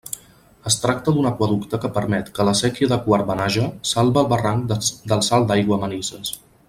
Es tracta d'un aqüeducte que permet que la séquia de Quart-Benàger salve el barranc del Salt d'Aigua a Manises.